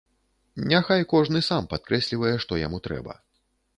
Няхай кожны сам падкрэслівае, што яму трэба.